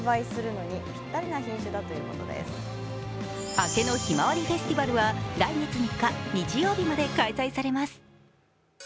あけのひまわりフェスティバルは来月３日、日曜日まで開催されます。